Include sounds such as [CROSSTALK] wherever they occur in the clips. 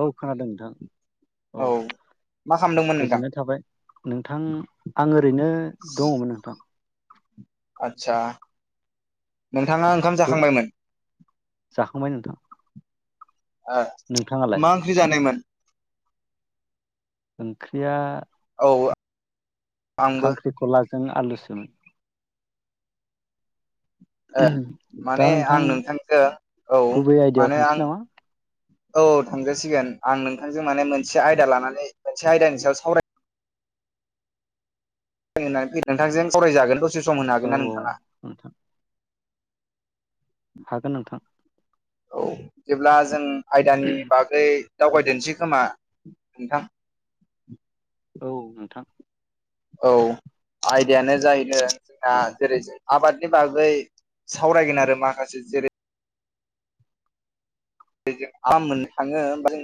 औ खोनादों नोंथां औ मा खालामदोंमोन नोंथां गोजोननाय थाबाय नोंथां आं ओरैनो दङमोन नोंथां आतसा नोंथाङा ओंखाम जाखांबायमोन? जाखांबाय नोंथां ओ नोंथाङालाय मा ओंख्रि जानायमोन? ओंख्रिया औ आंबो खांख्रिखला जों आलुसोमोन ओ दा माने आं नोंथां नोंथांजों औ गुबै आयदायाव माने थांसै आं नामा औ थांजासिगोन आं नों थां जों माने मोनसे आयदा लानानै मोनसे आयदानि सायाव सावराय नोंथांजों सावरायजागोन द दसे सम होनो हागोन औ ना औ नोंथाङा? नोंथां हागोन नोंथां औ बिदिब्ला जों आयदानि बागै खोन्था दावगायदोसै खोमा? नोंथां औ नोंथां औ आयदायानो जाहैदों आ औ जेरै आबादनि बागै सावरायगोन आरो माखासे जेरै [UNINTELLIGIBLE] मोननो थाङो होमबा जों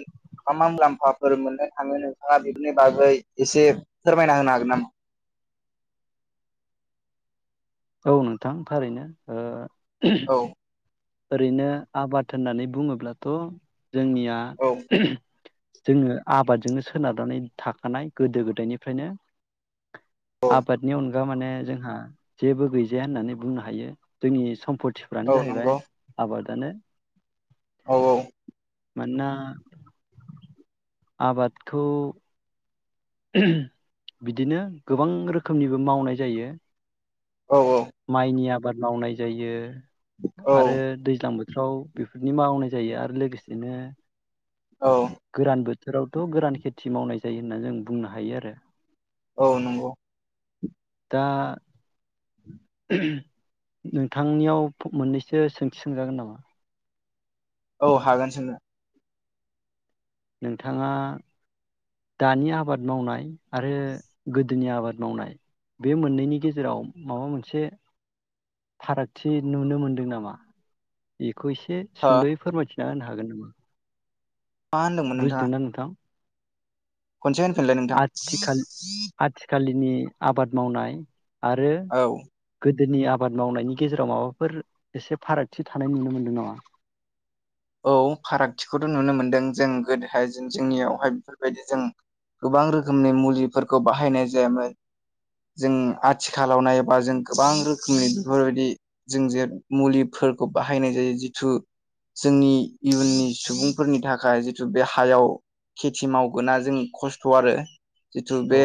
मा मा मुलाम्फाफोर मोननो थाङो नोंथाङा बेफोरनि बागै एसे फोरमायना होनो हागोन नामा? औ नोंथां थारैनो ओ [UNINTELLIGIBLE] औ ओरैनो आबाद होननानै बुङोब्लाथ जोंनिया औ जोङो आबादजोंनो सोनारनानै थाखानाय गोदो गोदायनिफ्रायनो औ आ बादनि अन गा माने जोंहा जेबो गैजाया होननानै बुंनो हायो जोंनि सम्फथ थिफ्रानो औ जाहैबाय नंगौ आबादानो औ औ मानोना आबादखौ बिदिनो गोबां रोखोमनिबो मावनाय जायो औ माइनि आब आबाद मावनाय जायो औ आरो दैज्लां बोथोर बोथोरफ्राव बेफोरनि मावनाय जायो आरो लोगोसेनो औ गोरान बोथोर बोथोरावथ' गोरान खेथि मावनाय जायो होनना जों बुंनो हायो आरो औ नंगौ दा [UNINTELLIGIBLE] नोंथांनियाव मोननैसो सोंथि सोंजागोन नामा औ हागोन सोंनो नोंथाङा दानि आबाद मावनाय आरो गोदोनि आबाद मावनाय बे मोननैनि गेजेराव माबा मोनसे फारागथि नुनो मोनदों नामा बे बेखौ एसे हो सुंद'यै फोरमायथि होनो हागोन नामा मा होनदोंमोन नोंथाङा बुजिदोंना नोंथां खनसे होनफिनलाय नोंथां नि आबाद मावनाय आरो औ गो दोनि आबाद मावनायनि गेजेराव माबाफोर एसे फारागथि थानाय नुनो मोनदों नामा औ फारागथिखौथ' नुनो मोन्दों जों गोदोहाय जों जोंनियावहाय बेफोरबायदि जों गोबां रोखोमनि मुलिफोरखौ बाहायनाय जायामोन जों आथिखालाव नायोबा जों गोबां रोखोमनि बेफोरबायदि जों जे मुलिफोरखौ बाहायनाय जायो जिथु जोंनि इयुननि सुबुंफोरनि थाखाय जिथु बे हायाव खेथि मावगोना जों खस्थ' आरो जिथु औ बे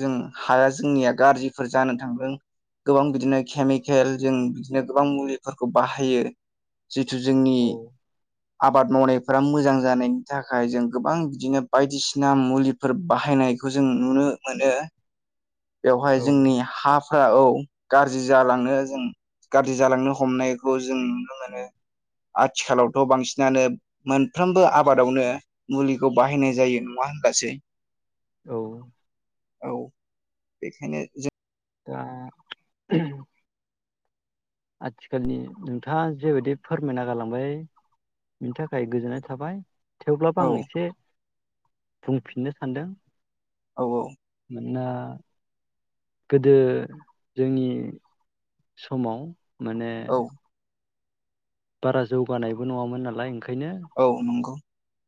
जों हाया जोंनिया गाज्रिफोर जानो थांदों गोबां बिदिनो केमिकेल जों बिदिनो गोबां मुलिफोरखौ बाहायो जिथु जोंनि औ आबाद मावनायफोरा मोजां जानायनि थाखाय जों गोबां बिदिनो बायदिसिना मुलिफोर बाहायनायखौ जों नुनो मोनो बेवहाय औ जोंनि हा फोरा औ गाज्रि जालांनो जों गाज्रि जालांनो हमनायखौ जों नुनो मोनो आथिखालावथ' बांसिनानो मोनफ्रोमबो आबादावनो मुलिखौ बाहायनाय जायो नङा होनब्लासै औ औ बेखायनो जों [INAUDIBLE] आथिखालनि नोंथाङा जेबायदि फोरमायना गालांबाय बिनि थाखाय गोजोननाय थाबाय थेवब्लाबो औ आं एसे बुंफिननो सानदों औ औ ना गोदो जोंनि समाव माने औ बारा जौगानायबो नङामोन नालाय ओंखायनो औ नंगौ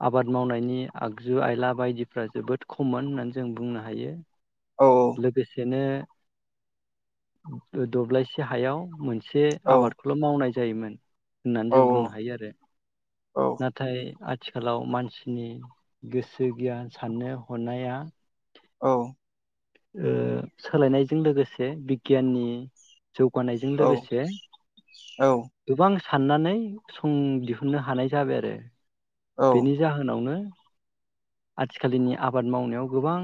आबाद मावनायनि आगजु आयला बायदिफ्रा जोबोद खममोन होननानै जों बुंनो हायो औ लोगोसेनो दब्लायसे हायाव मोनसे औ आबादखौल' मावनाय जायोमोन। होननानै औ जों बुंनो हायो आरो औ नाथाय आथिखालाव मानसिनि गोसो गियान साननो हनाया। औ। सोलायनायजों लोगोसे बिगियाननि जौगानायजों औ लोगोसे गोबां साननानै सं दिहुन्नो हानाय जाबाय आरो औ बेनि जाहोनावनो आथिखालनि आबाद मावनायाव गोबां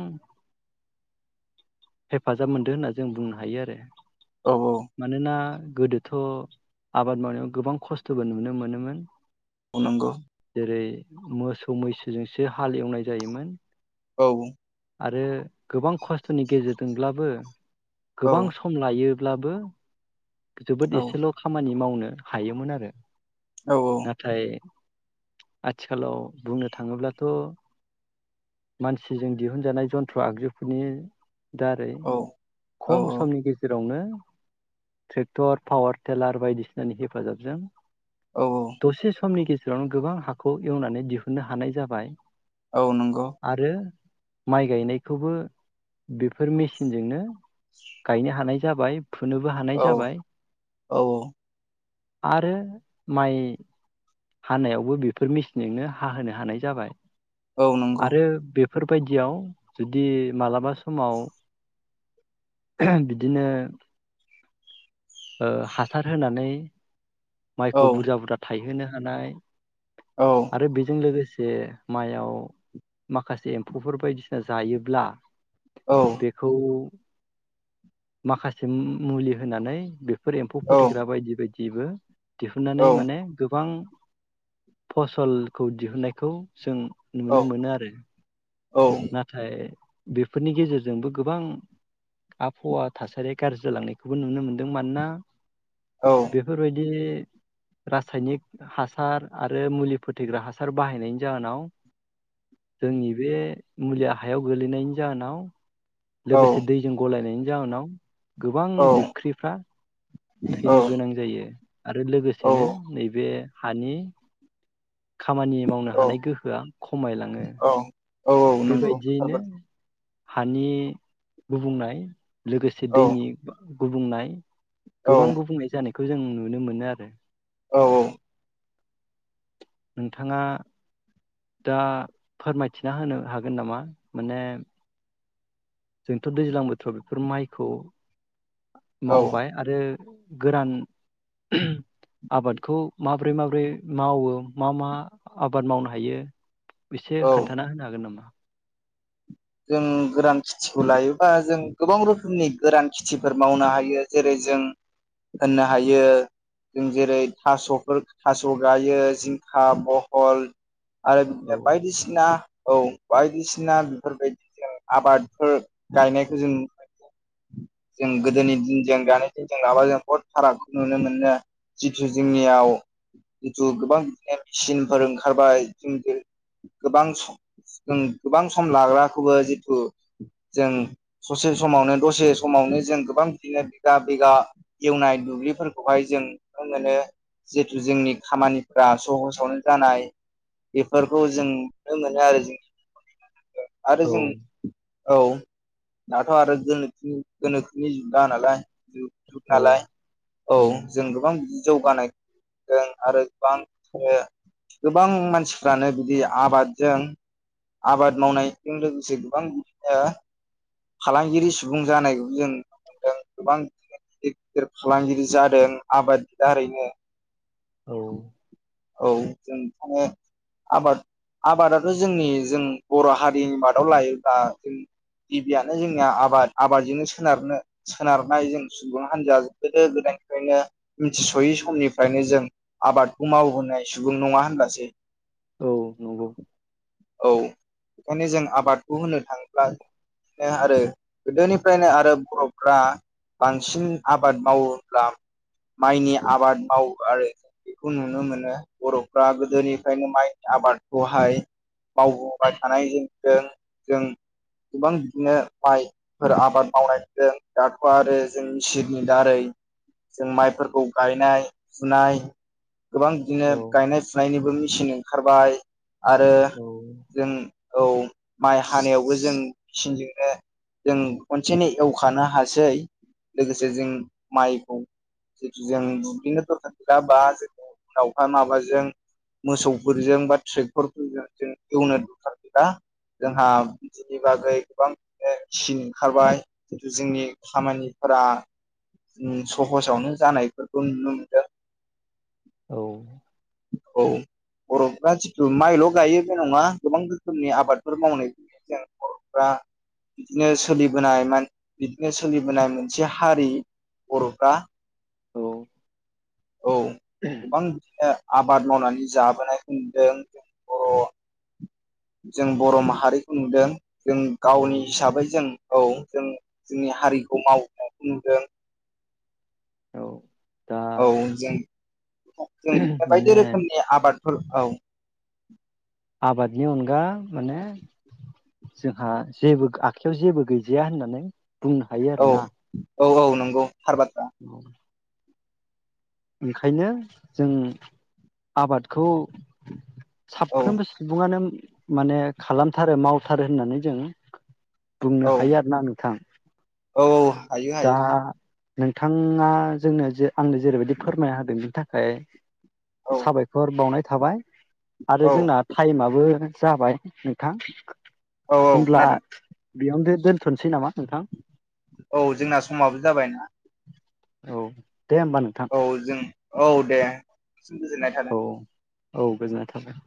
हेफाजाब मोनदों होनना जों बुंनो हायो आरो। औ मानोना गोदोथ' आबाद मावनायाव गोबां खस्थ'बो नुनो मोनोमोन नंगौ। जेरै मोसौ मैसोजोंसो हाल एवनाय जायोमोन औ आरो गोबां खस्थ'नि गेजेरजोंब्लाबो औ गोबां सम लायो अब्लाबो जोबोद औ एसेल' खामानि मावनो हायोमोन आरो औ नाथाय आथिखालाव बुंनो थाङोब्लाथ' मानसिजों दिहुनजानाय जन्थ्र आगजुफोरनि दारै औ खम समनि गेजेरावनो ट्रेक्टर पावार टिलार बायदिसिनानि हेफाजाब जों औ दसेसे समनि गे जेरावनो गोबां हाखौ एवनानै दिहुननो हानाय जाबाय औ नंगौ आरो माइ गायनायखौबो बेफोर मेसिनजोंनो गायनो हानाय जाबाय फुनोबो हानाय औ जाबाय औ आरो माइ हानायावबो बेफोर मेसिनजोंनो हाहोनो हानाय जाबाय। औ नंगौ आरो बे बेफोरबायदियाव जुदि मालाबा समाव बिदिनो हासार होनानै। औ माइखौ बुरजा बुरजा थायहोनो औ [INAUDIBLE] आरो बेजों लोगोसे जे मआव माखासे एम्फौफोर बायदिसिना जायोब्ला औ बेखौ। माखासे मुलि होनानै बे एम्फौ फथेग्रा बायदि बायदि दिबो। दिहुननानै माने गोबां फसलखौ दिहुनन्नायखौ जों नुनो मोनो आरो। नाथाय बेफोरनि गेजेरजोंबो गोबां आबहावा थासारिया गाज्रि जालांनायखौबो नुनो मोनदों मानोना बेफोरबायदि रासायनिक हासार आरो मुलि फोथैग्रा हासार बाहायनायनि जाहोनाव जोंनि बे मुलिया हायाव गोलैनायनि जाहोनाव लोगोसे दैजों गलायनाय जावनाव गोबां औ जिबख्रिफ्रा औ थैनो गोनां जायो आरो लोगोसेनो नैबे हानि खामानि मावनो हानाय गोहोआ खमायलाङो औ औ नंगौ थार बेबायदियैनो बाथ्रा हानि गुबुंनाय लोगोसे औ दैनि गुबुंनाय औ गोबां गुबुंनाय जानिख खौ जों नुनो मोनो आरो। औ नोंथां। नोंथाङा दा फोरमायथिना होनो हागोन नामा माने जोंथ' दैज्लां बोथोराव बेफोर माइखौ औ मावबाय आरो। गोरान आबादखौ माब्रै माब्रै मावो मा मा आबाद मावनो हायो एसे औ खोन्थाना होनो हागोन नामा जों गोरान खेथिखौ लायोबा जों गोबां रोखोमनि गोरान खेथिफोर मावनो हायो जेरै जों होननो हायो जों जेरै थास'फोर थास' गायो जिंखा बहल आओद औ बायदिसिना औ बायदिसिना बेफोरबायदि जों आबादफोर गायनायखौ जों नुनो मोनो जों गोदोनि दिनजों दानि दिनजों लाबा जों बहुद फारागखौ नुनो मोनो जिथु जोंनियाव जिथु गोबां मेचिनफोर ओंखारबाय जों गोबां सम जों गोबां सम लाग्रा खौबो जिथु जों ससे समावनो दसे समावनो जों गोबां बिदिनो बिगा बिगा एवनाय दुब्लिफोरखौहाय जों नुनो मोनो जिथु जोंनि खामानिफोरा सहसावनो जानाय बेफोरखौ जों नुनो मोनो आरो जोंनि आरो जों औ औ दाथ' आरो गोनोखो गोनोखोनि जुगा नालाय जुग जुग औ नालाय औ उम जों गोबां जौगानाय [UNINTELLIGIBLE] आरो गोबां गोबां मानसिफ्रानो बिदि आबादजों आबाद मावनाय बेजों लोगोसे गोबां बिदिनो फालांगिरि सुबुं जानायखौबो जों नुनो मोनदों गोबां बिदिनो गिदिर गिदिर फालांगिरि जादों आबादनि दारैनो औ औ जों बेखौनो आबाद आबादाथ' जोंनि जों बर' हारिनि मादाव लायोब्ला जों गिबियानो जोंनिया आबाद आबादजोंनो सोनारनो सोनारनाय जों सुबुं हान्जाया गोदो गोदायनिफ्रायनो मिथिस'यै समनिफ्रायनो जों आबादखौ मावहोनो नाय सुबुं नङा होनब्लासो औ नंगौ औ बेखायनो जों आबादखौ होनो थाङोब्ला आरो गोदोनिफ्रायनो आरो बर'फ्रा बांसिन आबाद मावोब्ला माइनि आबाद मावो आरो बेखौ नुनो मोनो बर'फ्रा गोदोनिफ्रायनो माइ आबादखौहाय मावबोबाय थानाय जों जों जों गोबां बिदिनो माइफोर आबाद मावनायजों दाथ' आरो जों मेसिननि दारै जों माइफोरखौ गायनाय फुनाय गोबां बिदिनो औ गायनाय फुनायनिबो मिसिननि ओंखारबाय आरो औ जों औ माइ हानायावबो जों मेसिनजोंनो जों खनसेनै एवखानो हासै लोगोसे जों माइखौ जिथु जों बिदिनो दरखार गैला बा जों दावफोर माबा जों मोसौफोरजों बा ट्रेक्टरफोरजों जों एवनो दखार गैला जोंहा बिनि बागै गोबां सिन ओंखारबाय जिथु जोंनि खामानिफोरा ओ सहसावनो जानायफोरखौ नुनो मोनदों औ औ बर'फ्रा जितु माइल' गायो बे नङा गोबां रोखोमनि आबादफोर मावनाय जा जोंना बर'फ्रा बिदिनो सोलिबोनाय बिदिनो सोलिबोनाय मोनसे हारि बर'फ्रा औ औ गोबां बिदिनो आबाद मावनानै जाबोनायखौ नुदों जों बर' जों बर' माहारिखौ नुदों जों औ गावनि हिसाबै जों औ जों जोंनि हारिखौ मावनायखौ नुदों औ दा औ जों जों बायदि माने रोखोमनि आबाद फोर औ आबादनि अनगा माने जोंहा जेबो आखायाव जेबो गैजाया होननानै बुंनो हायो औ आरोना। औ औ नंगौ। थार बाथ्रा उम ओंखायनो जों आबादखौ औ साफ्रोमबो सुबुङानो माने खालामथारो मावथारो होननानै जों औ बुंनो हायो आरो ना नोंथां। औ हायो दा हायो नोंथाङा जोंनो जे आंनो जेरैबायदि फोरमायना होदों बिनि थाख खाय औ साबायखर बावनाय थाबाय। औ आरो जोंना टाइमाबो जाबाय नोंथां। औ औ होमब्ला खोनादों बेयावनो दोनथ'नोसै नामा नोंथां? औ जोंना समाबो जाबायना। औ दे होमबा नोंथां औ जों औ दे। सिम गोजोननाय थादों। औ औ गोजोननाय थाबाय।